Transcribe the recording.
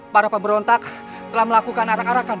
para pemberontak telah melakukan arak arakan